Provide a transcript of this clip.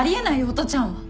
音ちゃんは。